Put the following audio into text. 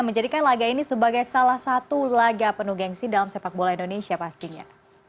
menjadikan laga ini sebagai salah satu laga penuh gengsi dalam sepak bola indonesia pastinya